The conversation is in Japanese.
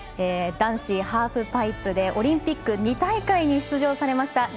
男子ハーフパイプでオリンピック２大会に出場されました